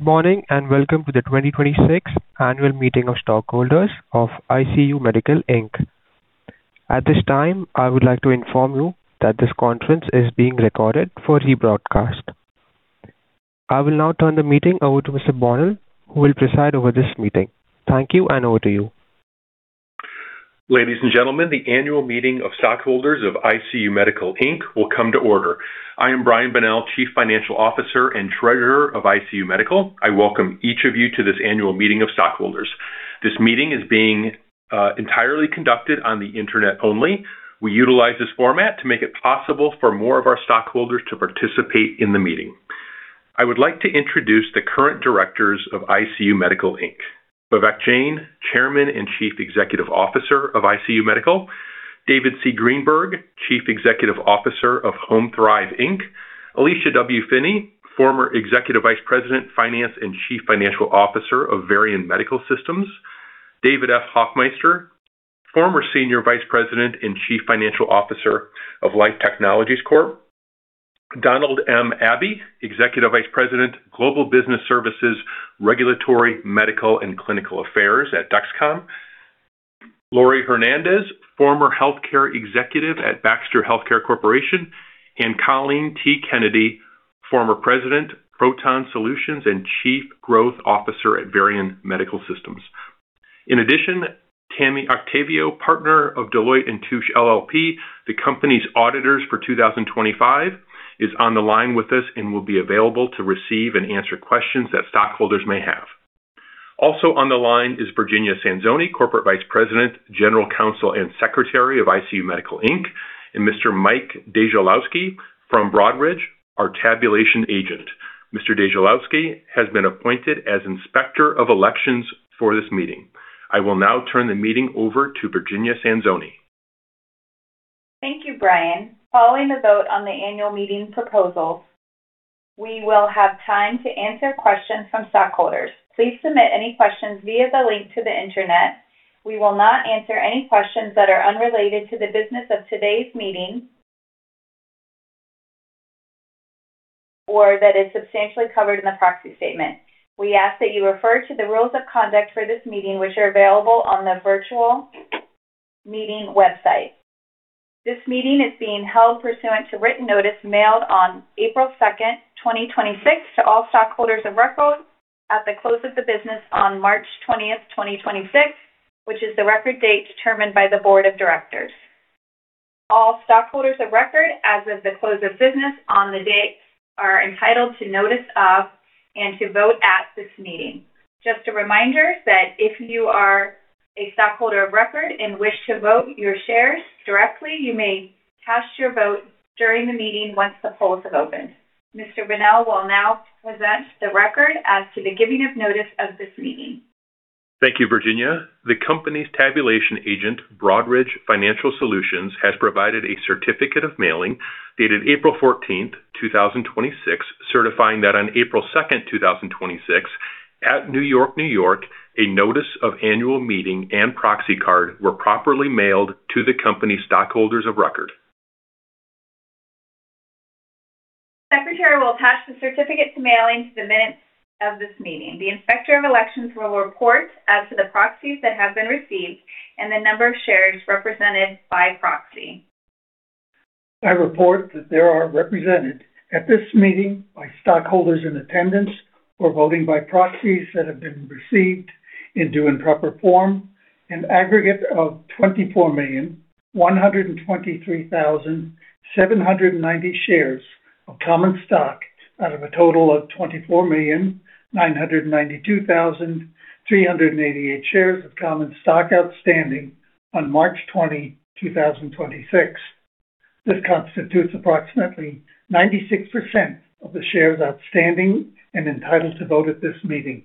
Good morning. Welcome to the 2026 Annual Meeting of Stockholders of ICU Medical, Inc. At this time, I would like to inform you that this conference is being recorded for rebroadcast. I will now turn the meeting over to Mr. Bonnell, who will preside over this meeting. Thank you, and over to you. Ladies and gentlemen, the Annual Meeting of Stockholders of ICU Medical, Inc. will come to order. I am Brian Bonnell, Chief Financial Officer and Treasurer of ICU Medical. I welcome each of you to this annual meeting of stockholders. This meeting is being entirely conducted on the Internet only. We utilize this format to make it possible for more of our stockholders to participate in the meeting. I would like to introduce the current directors of ICU Medical, Inc. Vivek Jain, Chairman and Chief Executive Officer of ICU Medical. David C. Greenberg, Chief Executive Officer of HomeThrive, Inc. Elisha W. Finney, former Executive Vice President, Finance and Chief Financial Officer of Varian Medical Systems. David F. Hoffmeister, former Senior Vice President and Chief Financial Officer of Life Technologies Corp. Donald M. Abbey, Executive Vice President, Global Business Services, Regulatory, Medical, and Clinical Affairs at Dexcom. Laurie Hernandez, former Healthcare Executive at Baxter Healthcare Corporation. Kolleen T. Kennedy, former President, Proton Solutions, and Chief Growth Officer at Varian Medical Systems. In addition, Tammy Octavio, Partner of Deloitte & Touche LLP, the company's auditors for 2025, is on the line with us and will be available to receive and answer questions that stockholders may have. Also on the line is Virginia Sanzone, Corporate Vice President, General Counsel, and Secretary of ICU Medical, Inc. Mr. Mike DeJalowski from Broadridge, our tabulation agent. Mr. DeJalowski has been appointed as Inspector of Elections for this meeting. I will now turn the meeting over to Virginia Sanzone. Thank you, Brian. Following the vote on the annual meeting proposals, we will have time to answer questions from stockholders. Please submit any questions via the link to the Internet. We will not answer any questions that are unrelated to the business of today's meeting or that is substantially covered in the proxy statement. We ask that you refer to the rules of conduct for this meeting, which are available on the virtual meeting website. This meeting is being held pursuant to written notice mailed on April 2, 2026 to all stockholders of record at the close of the business on March 20, 2026, which is the record date determined by the board of directors. All stockholders of record as of the close of business on the date are entitled to notice of and to vote at this meeting. Just a reminder that if you are a stockholder of record and wish to vote your shares directly, you may cast your vote during the meeting once the polls have opened. Mr. Bonnell will now present the record as to the giving of notice of this meeting. Thank you, Virginia. The company's tabulation agent, Broadridge Financial Solutions, has provided a certificate of mailing dated April 14th, 2026, certifying that on April 2nd, 2026, at New York, N.Y., a notice of annual meeting and proxy card were properly mailed to the company stockholders of record. Secretary will attach the certificate to mailing to the minutes of this meeting. The Inspector of Elections will report as to the proxies that have been received and the number of shares represented by proxy. I report that there are represented at this meeting by stockholders in attendance or voting by proxies that have been received in due and proper form an aggregate of 24,123,790 shares of common stock out of a total of 24,992,388 shares of common stock outstanding on March 20, 2026. This constitutes approximately 96% of the shares outstanding and entitled to vote at this meeting.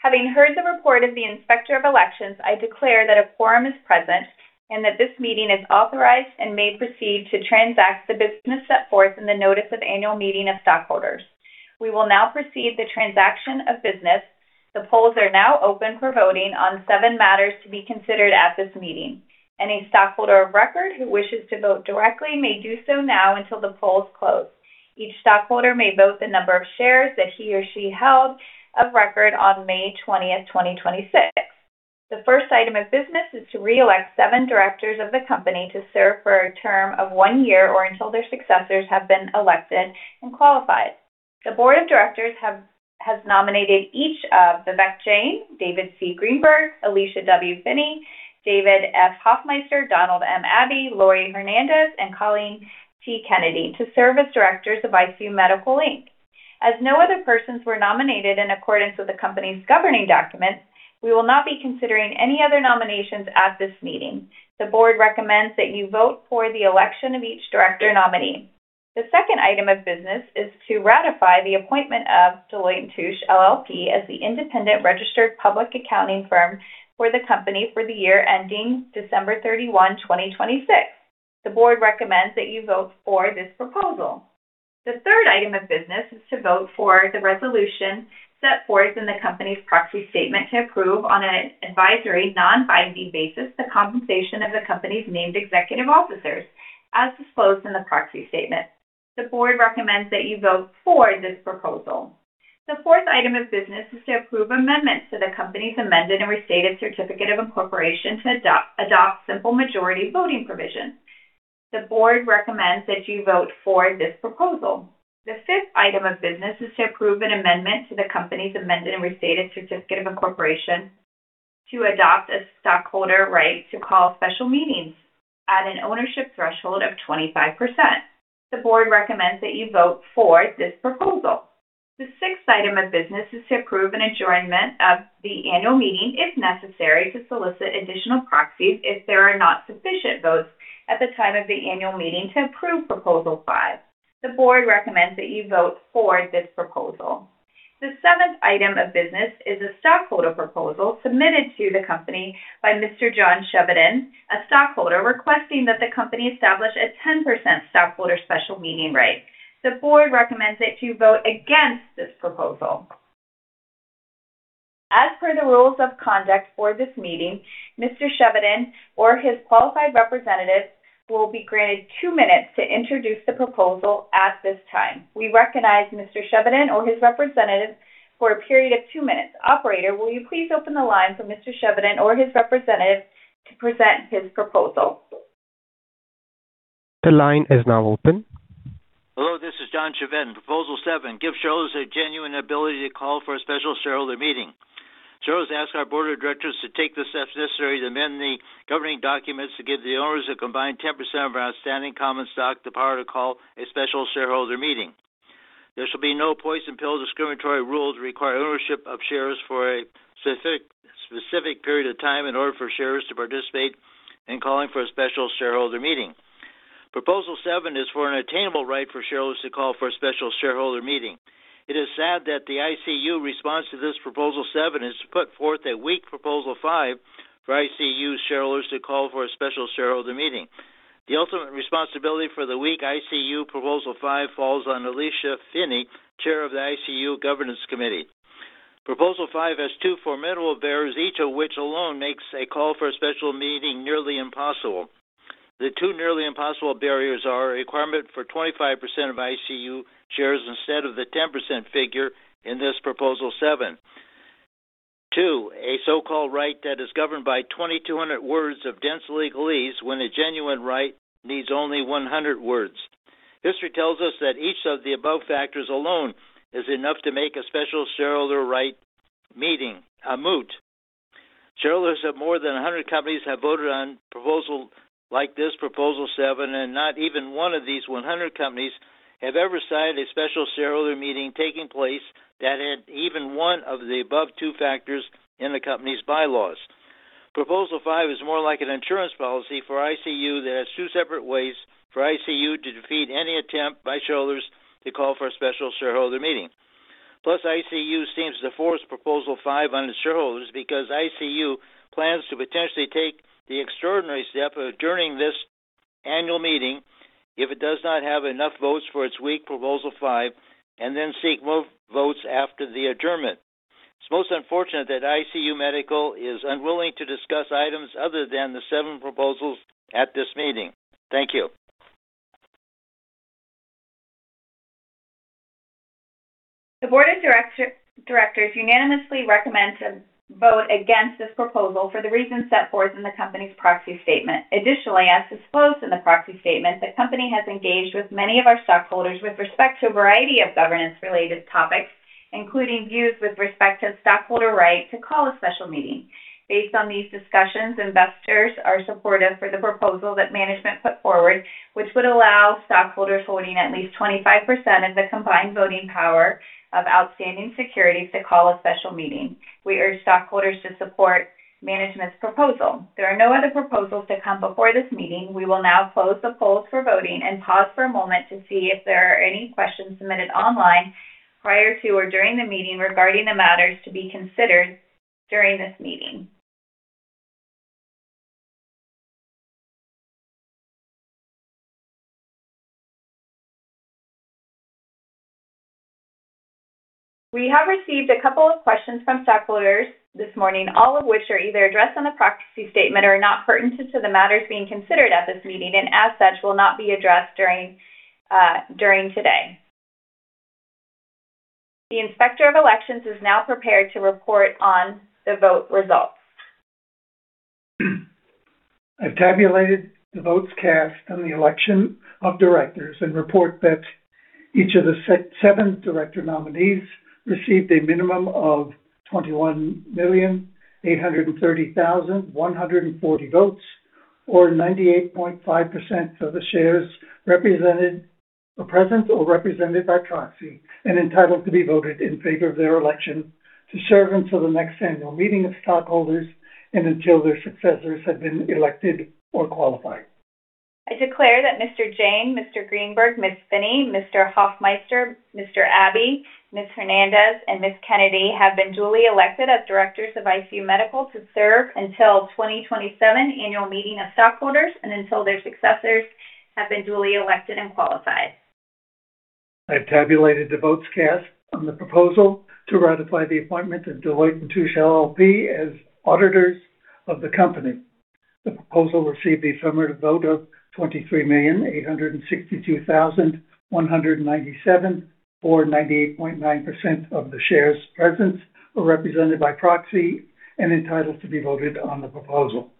Having heard the report of the Inspector of Elections, I declare that a quorum is present and that this meeting is authorized and may proceed to transact the business set forth in the notice of annual meeting of stockholders. We will now proceed the transaction of business. The polls are now open for voting on seven matters to be considered at this meeting. Any stockholder of record who wishes to vote directly may do so now until the polls close. Each stockholder may vote the number of shares that he or she held of record on May 20th, 2026. The first item of business is to reelect seven directors of the company to serve for a term of one year or until their successors have been elected and qualified. The board of directors has nominated each of Vivek Jain, David C. Greenberg, Elisha W. Finney, David F. Hoffmeister, Donald M. Abbey, Laurie Hernandez, and Kolleen T. Kennedy to serve as directors of ICU Medical, Inc. As no other persons were nominated in accordance with the company's governing documents, we will not be considering any other nominations at this meeting. The board recommends that you vote for the election of each director nominee. The second item of business is to ratify the appointment of Deloitte & Touche LLP as the independent registered public accounting firm for the company for the year ending December 31, 2026. The board recommends that you vote for this proposal. The third item of business is to vote for the resolution set forth in the company's proxy statement to approve on an advisory non-binding basis the compensation of the company's named executive officers. As disclosed in the proxy statement, the board recommends that you vote for this proposal. The fourth item of business is to approve amendments to the company's amended and restated certificate of incorporation to adopt simple majority voting provision. The board recommends that you vote for this proposal. The fifth item of business is to approve an amendment to the company's amended and restated certificate of incorporation to adopt a stockholder right to call special meetings at an ownership threshold of 25%. The board recommends that you vote for this proposal. The sixth item of business is to approve an adjournment of the annual meeting if necessary to solicit additional proxies if there are not sufficient votes at the time of the annual meeting to approve proposal five. The board recommends that you vote for this proposal. The seventh item of business is a stockholder proposal submitted to the company by Mr. John Chevedden, a stockholder, requesting that the company establish a 10% stockholder special meeting right. The board recommends that you vote against this proposal. As per the rules of conduct for this meeting, Mr. Chevedden or his qualified representatives will be granted two minutes to introduce the proposal at this time. We recognize Mr. Chevedden or his representative for a period of two minutes. Operator, will you please open the line for Mr. Chevedden or his representative to present his proposal? The line is now open. Hello, this is John Chevedden. Proposal seven, give shareholders a genuine ability to call for a special shareholder meeting. Shareholders ask our board of directors to take the steps necessary to amend the governing documents to give the owners a combined 10% of our outstanding common stock the power to call a special shareholder meeting. There shall be no poison pill discriminatory rules require ownership of shares for a specific period of time in order for shares to participate in calling for a special shareholder meeting. Proposal seven is for an attainable right for shareholders to call for a special shareholder meeting. It is sad that the ICU response to this proposal seven is to put forth a weak proposal five for ICU shareholders to call for a special shareholder meeting. The ultimate responsibility for the weak ICU proposal five falls on Elisha Finney, Chair of the ICU Governance Committee. Proposal five has two formidable barriers, each of which alone makes a call for a special meeting nearly impossible. The two nearly impossible barriers are a requirement for 25% of ICU shares instead of the 10% figure in this proposal seven. Two, a so-called right that is governed by 2,200 words of dense legalese when a genuine right needs only 100 words. History tells us that each of the above factors alone is enough to make a special shareholder right meeting a moot. Shareholders of more than 100 companies have voted on proposal like this, proposal seven, and not even one of these 100 companies have ever cited a special shareholder meeting taking place that had even one of the above two factors in the company's bylaws. Proposal five is more like an insurance policy for ICU that has two separate ways for ICU to defeat any attempt by shareholders to call for a special shareholder meeting. ICU seems to force proposal five on the shareholders because ICU plans to potentially take the extraordinary step of adjourning this annual meeting if it does not have enough votes for its weak proposal five, and then seek more votes after the adjournment. It's most unfortunate that ICU Medical is unwilling to discuss items other than the seven proposals at this meeting. Thank you. The board of directors unanimously recommend to vote against this proposal for the reasons set forth in the company's proxy statement. As disclosed in the proxy statement, the company has engaged with many of our stockholders with respect to a variety of governance-related topics, including views with respect to stockholder right to call a special meeting. Based on these discussions, investors are supportive for the proposal that management put forward, which would allow stockholders holding at least 25% of the combined voting power of outstanding securities to call a special meeting. We urge stockholders to support management's proposal. There are no other proposals to come before this meeting. We will now close the polls for voting and pause for a moment to see if there are any questions submitted online prior to or during the meeting regarding the matters to be considered during this meeting. We have received a couple of questions from stockholders this morning, all of which are either addressed on the proxy statement or are not pertinent to the matters being considered at this meeting, and as such, will not be addressed during today. The Inspector of Elections is now prepared to report on the vote results. I've tabulated the votes cast on the election of directors and report that each of the seven director nominees received a minimum of 21,830,140 votes, or 98.5% of the shares represented or present or represented by proxy and entitled to be voted in favor of their election to serve until the next annual meeting of stockholders and until their successors have been elected or qualified. I declare that Mr. Jain, Mr. Greenberg, Ms. Finney, Mr. Hoffmeister, Mr. Abbey, Ms. Hernandez, and Ms. Kennedy have been duly elected as directors of ICU Medical to serve until 2027 Annual Meeting of Stockholders and until their successors have been duly elected and qualified. I tabulated the votes cast on the proposal to ratify the appointment of Deloitte & Touche LLP as auditors of the company. The proposal received the affirmative vote of 23,862,197, or 98.9% of the shares present or represented by proxy and entitled to be voted on the proposal.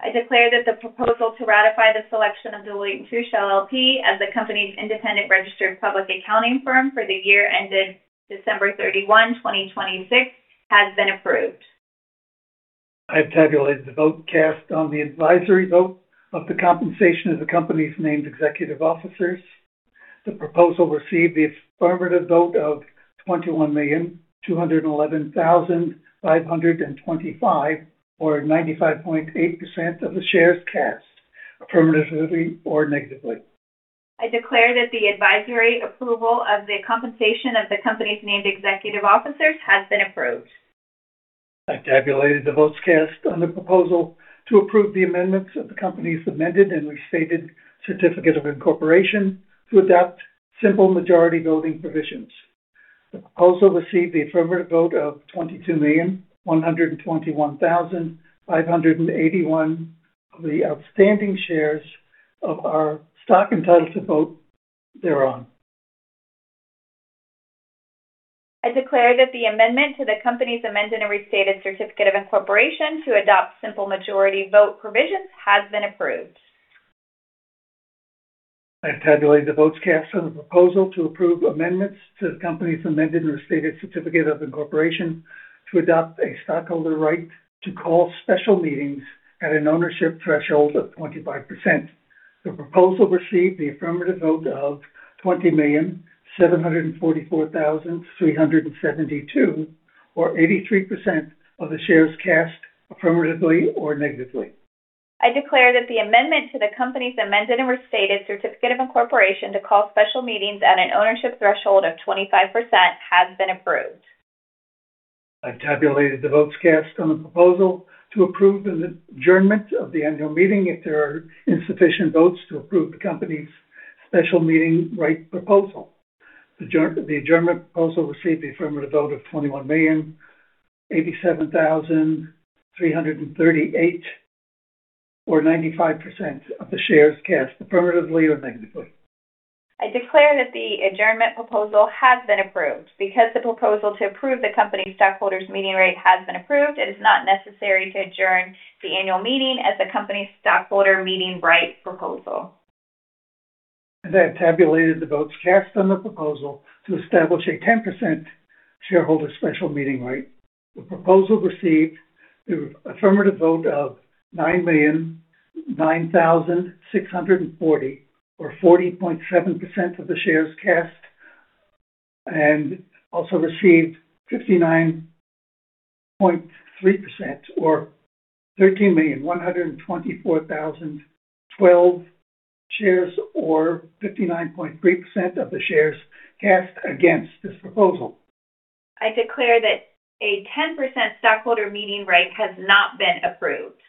I declare that the proposal to ratify the selection of Deloitte & Touche LLP as the company's independent registered public accounting firm for the year ended December 31, 2026 has been approved. I tabulated the vote cast on the advisory vote of the compensation of the company's named executive officers. The proposal received the affirmative vote of 21,211,525, or 95.8% of the shares cast affirmatively or negatively. I declare that the advisory approval of the compensation of the company's named executive officers has been approved. I tabulated the votes cast on the proposal to approve the amendments of the company's amended and restated certificate of incorporation to adopt simple majority voting provisions. The proposal received the affirmative vote of 22,121,581 of the outstanding shares of our stock entitled to vote thereon. I declare that the amendment to the company's amended and restated certificate of incorporation to adopt simple majority vote provisions has been approved. I tabulated the votes cast on the proposal to approve amendments to the company's amended and restated certificate of incorporation to adopt a stockholder right to call special meetings at an ownership threshold of 25%. The proposal received the affirmative vote of 20,744,372 or 83% of the shares cast affirmatively or negatively. I declare that the amendment to the company's amended and restated certificate of incorporation to call special meetings at an ownership threshold of 25% has been approved. I tabulated the votes cast on the proposal to approve an adjournment of the annual meeting if there are insufficient votes to approve the company's special meeting right proposal. The adjournment proposal received the affirmative vote of 21,087,338, or 95% of the shares cast affirmatively or negatively. I declare that the adjournment proposal has been approved. Because the proposal to approve the company's stockholders meeting right has been approved, it is not necessary to adjourn the annual meeting as the company's stockholder meeting right proposal. I have tabulated the votes cast on the proposal to establish a 10% shareholder special meeting right. The proposal received the affirmative vote of 9,009,640, or 40.7% of the shares cast, and also received 59.3% or 13,124,012 shares or 59.3% of the shares cast against this proposal. I declare that a 10% stockholder meeting right has not been approved.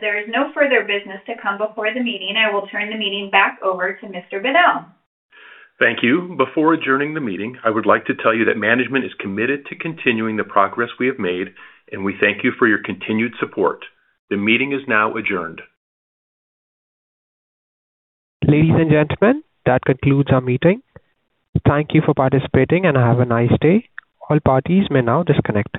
There is no further business to come before the meeting, I will turn the meeting back over to Mr. Bonnell. Thank you. Before adjourning the meeting, I would like to tell you that management is committed to continuing the progress we have made. We thank you for your continued support. The meeting is now adjourned. Ladies and gentlemen, that concludes our meeting. Thank you for participating, and have a nice day. All parties may now disconnect.